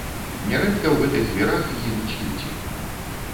Нярэдка ў гэтых вірах гінуць людзі.